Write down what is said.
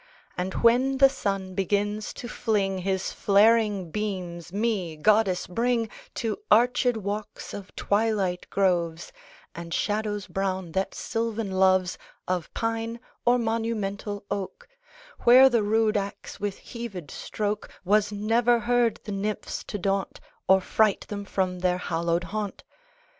And, when the sun begins to fling His flaring beams, me, Goddess, bring To arched walks of twilight groves, And shadows brown, that Sylvan loves, Of pine, or monumental oak, Where the rude axe with heaved stroke Was never heard the nymphs to daunt, Or fright them from their hallowed haunt.